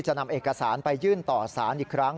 จะนำเอกสารไปยื่นต่อสารอีกครั้ง